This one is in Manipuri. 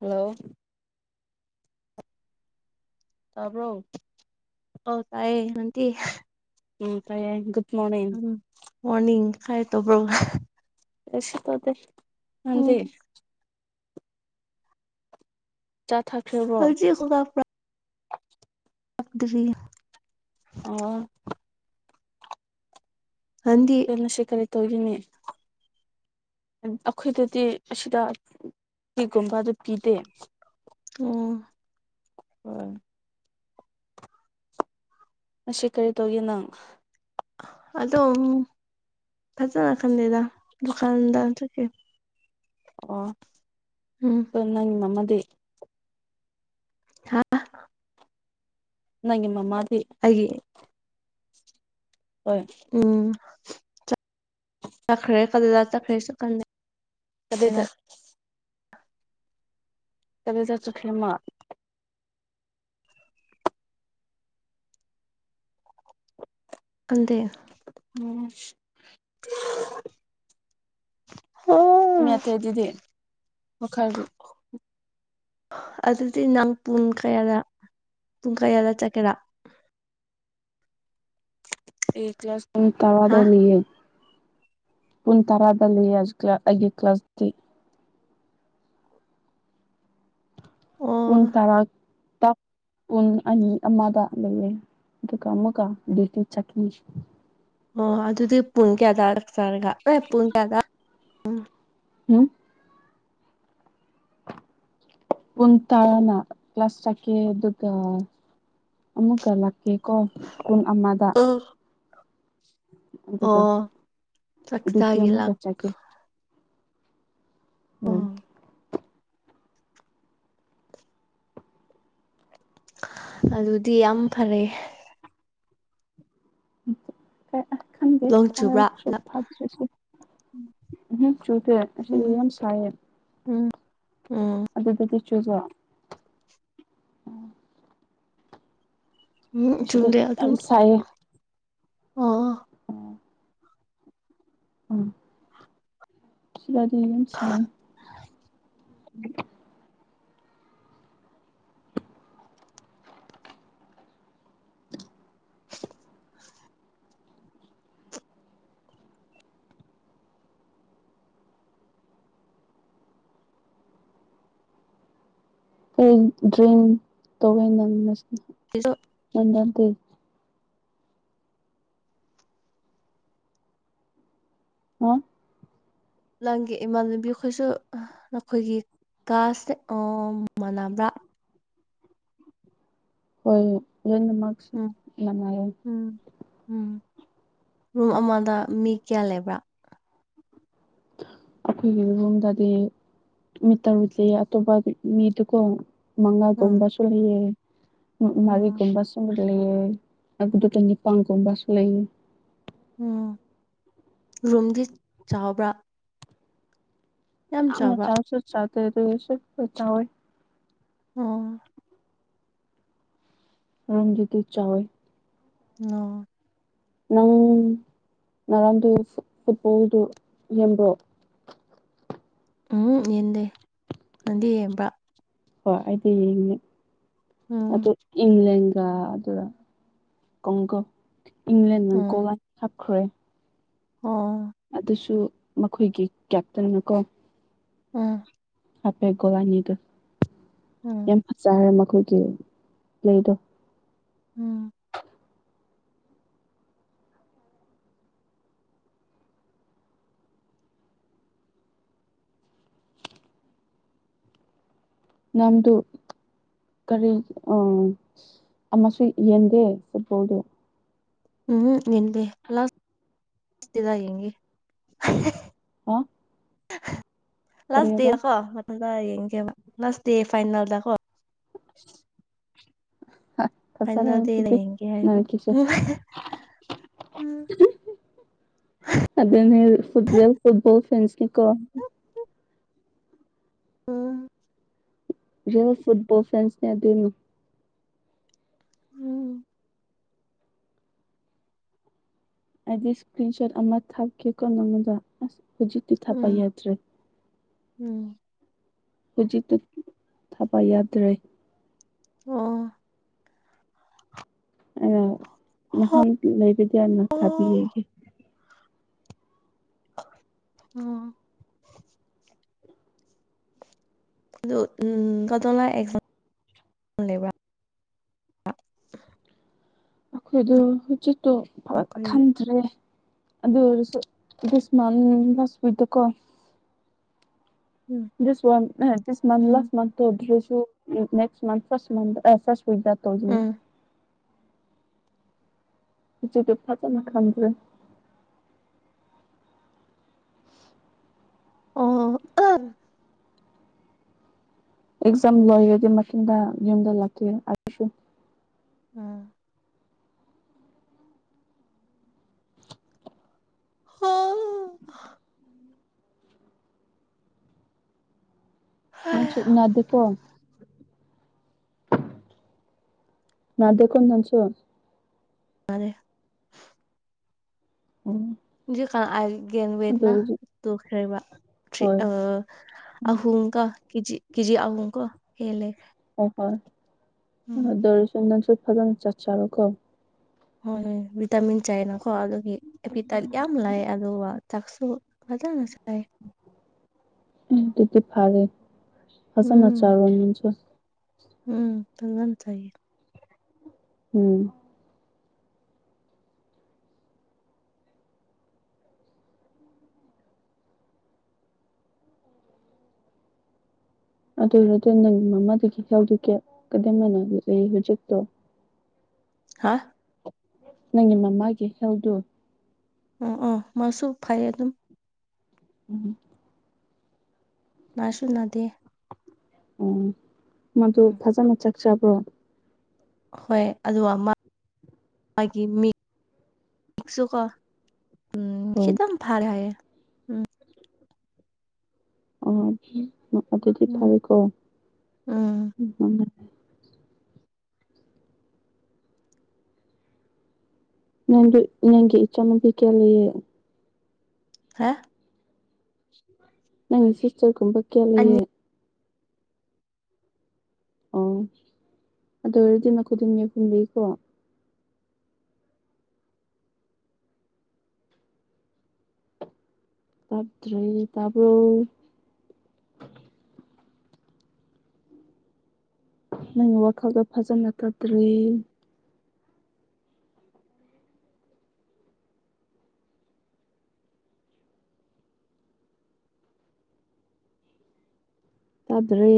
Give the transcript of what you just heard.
ꯍꯜꯂꯣ ꯇꯥꯕ꯭ꯔꯣ ꯑꯣ ꯇꯥꯏꯌꯦ ꯅꯪꯇꯤ ꯎꯝ ꯇꯥꯏ ꯌꯥꯏ ꯒꯨꯇ ꯎꯝ ꯃꯣꯔꯅꯤꯡ ꯍꯥꯏ ꯇꯣꯕ꯭ꯔꯣ ꯀꯩꯁꯨ ꯇꯧꯗꯦ ꯎꯝ ꯅꯪꯗꯤ ꯆꯥ ꯊꯥꯈ꯭ꯔꯤꯕ꯭ꯔꯣ [unintelligible] ꯗꯔꯤ ꯑꯣ ꯍꯟꯗꯤ ꯑꯗꯣ ꯉꯁꯤ ꯀꯔꯤ ꯇꯧꯒꯤꯅꯤ ꯑꯈꯣꯏꯗꯗꯤ ꯑꯁꯤꯗ ꯀꯦꯛꯒꯨꯝꯕ ꯑꯗꯨ ꯄꯤꯗꯦ ꯑꯣ [unintelligible] ꯑꯁꯤ ꯀꯔꯤ ꯇꯧꯒꯦ ꯅꯪ ꯑꯗꯣ ꯐꯖꯟꯅ ꯈꯟꯗꯦꯗ ꯗꯨꯀꯥꯟꯗ ꯆꯠꯀꯦ ꯑꯣ ꯎꯝ ꯅꯪ ꯃꯝꯃꯗꯤ ꯍꯥꯥ ꯅꯪꯒꯤ ꯃꯃꯥꯗꯤ ꯒꯤ ꯍꯣꯏ ꯎꯝ ꯆꯠꯈ꯭ꯔꯦ ꯀꯗꯗ ꯆꯠꯈ꯭ꯔꯦꯁꯨ ꯈꯪꯗꯦ ꯑꯗꯩꯗ ꯑꯗꯨꯗ ꯆꯠꯈꯔꯦ ꯃꯥ ꯈꯪꯗꯦ ꯎꯝ ꯑꯣ ꯃꯤ ꯑꯇꯩꯗꯗꯤ ꯃꯈꯜꯗꯤ ꯑꯗꯨꯗꯤ ꯅꯪ ꯄꯨꯡ ꯀꯌꯥꯗ ꯄꯨꯡ ꯀꯌꯥꯗ ꯆꯠꯀꯦꯔꯥ ꯑꯦ ꯀ꯭ꯂꯥꯁ ꯄꯨꯡ ꯍꯥ ꯇꯔꯥꯗ ꯂꯩꯌꯦ ꯄꯨꯡ ꯇꯔꯥꯗ ꯂꯩꯌꯦ [unintelligible] ꯑꯩꯒꯤ ꯀ꯭ꯂꯥꯁꯇꯤ ꯑꯣ ꯎꯟ ꯇꯔꯥ ꯇ ꯄꯨꯡ ꯑꯅꯤ ꯑꯃꯗ ꯂꯩꯔꯦ ꯑꯗꯨꯒ ꯑꯃꯨꯛꯒ ꯗ ꯌꯨꯇꯤ ꯆꯠꯄꯤꯒ ꯑꯣ ꯑꯗꯨꯗꯤ ꯄꯨꯡ ꯀꯌꯥꯗꯔ ꯆꯥꯔꯒ ꯍꯣꯏ ꯄꯨꯡ ꯀꯌꯥꯗ ꯎꯝ ꯎꯝ ꯄꯨꯡ ꯇꯥꯔꯅ ꯀ꯭ꯂꯥꯁ ꯆꯠꯀꯦ ꯑꯗꯨꯒ ꯑꯃꯨꯛꯀ ꯂꯥꯛꯀꯦ ꯀꯣ ꯀꯨꯟ ꯑꯃꯗ ꯑꯣ ꯑꯗꯨꯒ ꯑꯣ ꯆꯥꯛ [unintelligible] ꯆꯥꯒꯤ ꯑꯃꯨꯛ ꯀꯥ ꯂꯥꯛ ꯆꯠꯀꯦ ꯑꯣ ꯎꯝ ꯑꯗꯨꯗꯤ ꯌꯥꯝ ꯐꯔꯦ ꯀ ꯑꯥ ꯈꯪꯗꯦ ꯅꯣꯡ ꯆꯨꯕ꯭ꯔꯥ ꯐꯔꯁꯨ ꯍꯜꯂꯛ ꯐꯇꯔꯁꯨ ꯎꯝ ꯆꯨꯗꯦ ꯑꯁꯤꯗ ꯎꯝ ꯌꯥꯝ ꯁꯥꯏꯌꯦ ꯎꯝ ꯎꯝ ꯑꯗꯨꯗꯗꯤ ꯆꯨꯕꯔꯥ ꯎꯝ ꯑꯁꯤꯗ ꯆꯨꯝꯗꯦ ꯌꯥꯝ ꯑꯗꯨꯝ ꯁꯥꯏꯌꯦ ꯑꯣ ꯎꯝ ꯁꯤꯗꯗꯤ ꯌꯥꯝ ꯁꯥꯏ ꯍꫭꯔꯦꯟ ꯗ꯭ꯔꯤꯡ ꯇꯧꯕꯩ ꯅꯪ [unintelligible] [inaudible] ꯅꯗꯇꯤ ꯍꯥ ꯅꯪꯒꯤ ꯏꯃꯥꯟꯅꯕꯤꯈꯣꯏꯁꯨ ꯅꯈꯣꯏꯒꯤ ꯀꯥꯁꯦ ꯑꯣ ꯃꯥꯟꯅꯕ꯭ꯔꯥ ꯍꯣꯏ ꯂꯣꯏꯅꯃꯛ ꯎꯝ ꯃꯥꯟꯅꯩꯌꯦ ꯎꯝ ꯎꯝ ꯔꯨꯝ ꯑꯃꯗ ꯃꯤ ꯀꯌꯥ ꯂꯩꯕ꯭ꯔꯥ ꯑꯩꯈꯣꯏꯒꯤ ꯔꯨꯝꯗꯗꯤ ꯃꯤ ꯇꯔꯨꯛ ꯂꯩ ꯑꯇꯣꯞꯄ ꯃꯤꯗꯨꯀꯣ ꯎꯝ ꯃꯉꯥꯒꯨꯝꯕꯁꯨ ꯂꯩꯌꯦ ꯃꯥ ꯎꯝ ꯃꯔꯤꯒꯨꯝꯕꯁꯨ ꯂꯩ ꯂꯩꯑꯦ ꯑꯗꯨꯒ ꯇꯟꯅꯤ ꯄꯥꯡꯒꯨꯝꯕ ꯁꯨꯂꯩ ꯎꯝ ꯔꯨꯝꯗꯤ ꯆꯥꯎꯕ꯭ꯔꯥ ꯌꯥꯝ ꯌꯥꯝꯅ ꯆꯥꯎꯕ꯭ꯔꯥ ꯆꯥꯎꯁꯨ ꯆꯥꯎꯇꯦ ꯑꯗꯨꯑꯣꯏꯁꯨ ꯆꯥꯎꯑꯦ ꯑꯣ ꯔꯨꯝꯗꯨꯇꯤ ꯆꯥꯎꯋꯦ ꯑꯣ ꯅꯪ ꯉꯔꯥꯡꯗꯨ ꯐꯨꯠꯕꯣꯜꯗꯨ ꯌꯦꯡꯕ꯭ꯔꯣ ꯎꯝ ꯌꯦꯟꯗꯦ ꯅꯪꯗꯤ ꯌꯦꯡꯕ꯭ꯔꯥ ꯍꯣꯏ ꯑꯩꯗꯤ ꯌꯦꯡꯉꯦ ꯎꯝ ꯑꯗꯣ ꯏꯪꯂꯦꯟ ꯑ ꯑꯗꯨꯗ ꯀꯣꯡꯒꯣ ꯏꯪꯂꯦꯟꯅ ꯎꯝ ꯒꯣꯜ ꯋꯥꯟ ꯍꯥꯞꯈ꯭ꯔꯦ ꯑꯣ ꯑꯗꯨꯁꯨ ꯃꯈꯣꯏꯒꯤ ꯀꯦꯞꯇꯦꯟꯅ ꯀꯣ ꯑ ꯍꯥꯄꯦꯒꯣꯂꯅꯤꯗ ꯎꯝ ꯌꯥꯝ ꯐꯖꯈꯔꯦ ꯃꯈꯣꯏꯒꯤ ꯄꯂꯦꯗꯣ ꯎꯝ ꯅꯝꯗꯨ ꯀꯔꯤꯑ ꯑꯃꯁꯨ ꯌꯦꯟꯗꯦ ꯐꯨꯠꯕꯣꯜꯗꯣ ꯎꯝ ꯌꯦꯡꯗꯦ [unintelligible] ꯑ ꯂꯥꯁ ꯗꯦ ꯀꯔꯤꯕ ꯀꯣ ꯃꯊꯛꯗ ꯌꯦꯡꯒꯦꯕ ꯂꯥꯁ ꯗꯦ ꯐꯥꯏꯅꯜꯗ ꯀꯣ ꯍ ꯐꯥꯅꯦꯜꯗꯦ ꯗ ꯌꯦꯛꯒꯦ ꯍꯥꯏꯕ ꯎꯝ ꯑꯗꯨꯅꯦ ꯐꯨꯠ [unintelligible] ꯐꯨꯠꯕꯣꯜ ꯐ꯭ꯔꯦꯟꯀꯤ ꯀꯣ ꯎꯝ ꯔꯦꯜ ꯐꯨꯠꯕꯣꯜ ꯐꯦꯟꯁꯅꯦ ꯑꯗꯨꯅ ꯎꯝ ꯑꯩꯗꯤ ꯏꯁꯀ꯭ꯔꯤꯟ ꯁꯣꯠ ꯑꯃ ꯊꯥꯛꯀꯦꯀꯣ ꯅꯪꯉꯣꯟꯗ ꯑꯁ ꯍꯧꯖꯤꯛ ꯎꯝ ꯎꯝ ꯍꯧꯖꯤꯛꯇ ꯊꯥꯕ ꯌꯥꯗ꯭ꯔꯦ ꯑꯣ ꯑꯩꯔ ꯅꯍꯥꯟ ꯂꯩꯕꯗꯤ ꯌꯥꯝꯅ ꯑꯣ ꯊꯥꯕꯤꯔꯒꯦ [unintelligible] ꯑꯗꯨ ꯎꯝ [unintelligible] ꯂꯩꯕ꯭ꯔꯥ ꯑꯈꯣꯏꯗꯣ ꯍꯧꯖꯤꯛꯇꯣ [unintelligible] ꯑꯩꯈꯣꯏꯒꯤ ꯈꯟꯗ꯭ꯔꯦ ꯑꯗꯨ ꯑꯣꯏꯔꯁꯨ ꯗꯤꯁ ꯃꯟ ꯂꯥꯁ ꯋꯤꯛꯇꯀꫭ ꯎꯝ this one this month um last ꯃꯟꯇꫭ ꯑꯗꯨꯗꯁꯨ [unintelligible] [unintelligible] ꯎꯝ ꯍꯧꯖꯤꯛꯇꯤ ꯐꯖꯅ ꯈꯪꯈ꯭ꯔꯦ ꯑꯣ ꯍꫭ [unintelligible] ꯑꯦꯛꯖꯥꯝ ꯂꯣꯏꯔꯗꯤ ꯃꯇꯨꯡꯗ ꯌꯨꯝꯗ ꯂꯥꯛꯀꯦ ꯑꯗꯨꯁꯨ ꯑ [unintelligible] [unintelligible] ꯅꯥꯗꯦꯀꫭ ꯅꯪꯁꯨ ꯅꯥꯗꯦ ꯎꯝ ꯍꯧꯖꯤꯛꯀꯥꯟ [unintelligible] ꯇꯨꯈ꯭ꯔꯦꯕ [unintelligible] ꯑꯍꯨꯝꯀ ꯀꯦꯖꯤ ꯀꯦꯖꯤ ꯑꯍꯨꯝꯀꫭ ꯍꯦꯜꯂꯦ [unintelligible] ꯎꯝ ꯍꯣꯏ ꯑꯗꯨ ꯑꯣꯏꯔꯁꯨ ꯅꯪꯁꯨ ꯐꯖꯅ ꯆꯠꯆꯔꯣꯀꯣ ꯍꯣꯏ ꯍꫭꯏ ꯚꯤꯇꯥꯃꯤꯟ ꯆꯥꯏꯅꯀꯣ ꯑꯗꯨꯒꯤ [unintelligible] ꯌꯥꯝ ꯂꯥꯛꯏ ꯑꯗꯨꯒ ꯆꯥꯛꯁꯨ ꯐꯖꯅ ꯆꯥꯏ ꯑꯗꯨꯗꯤ ꯐꯔꯦ ꯐꯖꯅ ꯎꯝ ꯆꯥꯔꫭ ꯅꯪꯁꯨ ꯎꯝ [unintelligible] ꯆꯥꯏꯌꯦ ꯎꯝ ꯑꯗꯨ ꯑꫭꯏꯔꯗꯤ ꯅꯪ ꯃꯃꯥꯗꯒꯤ [unintelligible] ꯍꯨꯖꯤꯛꯇꯣ ꯍꯥ ꯅꯪꯒꯤ ꯃꯃꯥꯒꯤ ꯍꯦꯜꯗꯨ ꯑꯣ ꯑꯣ ꯃꯥꯁꯨ ꯐꯩ ꯑꯗꯨꯝ ꯎꯝ ꯅꯥꯁꯨꯨ ꯅꯥꯗꯦ ꯑꯣ ꯃꯥꯗꯨ ꯎꯝ ꯐꯖꯅ ꯆꯥꯛ ꯆꯥꯕ꯭ꯔꯣ ꯍꯣꯏ ꯑꯗꯨꯒ ꯃꯥ ꯒꯤ ꯃꯤ ꯁꯨꯀꯣ ꯎꯝ ꯍꯣꯏ ꯈꯤꯇꯝ ꯐꯔꯦ ꯍꯥꯏꯌꯦ ꯎꯝ ꯑꯣ ꯑꯗꯨꯗꯤ ꯎꯝ ꯐꯩꯀꯣ ꯎꯝ [unintelligible] ꯅꯪꯗꯨ ꯅꯪꯒꯤ ꯏꯆꯥꯅꯅꯨꯄꯤ ꯀꯌꯥ ꯂꯩꯌꯦ ꯍꯥ ꯅꯪꯒꯤ ꯁꯤꯁꯇꯔ ꯒꯨꯝꯕ ꯀꯌꯥ ꯑꯅꯤ ꯂꯩꯌꯦ ꯑꯣ ꯑꯗꯨ ꯑꯣꯏꯔꯗꯤ [unintelligible] [unintelligible] ꯇꯥꯕ꯭ꯔꯣ ꯅꯪꯒꯤ ꯋꯥꯈꯜꯗꫭ ꯐꯖꯅ ꯀꯠꯇ꯭ꯔꯤ ꯇꯥꯗ꯭ꯔꯦ